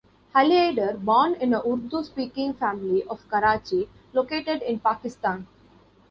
Ali Haider born in a Urdu Speaking family of Karachi located in Pakistan.